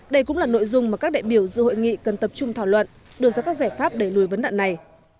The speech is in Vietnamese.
đây cũng là nội dung mà các đại biểu dự hội nghị cần tập trung thảo luận đưa ra các giải pháp để lùi vấn đạn này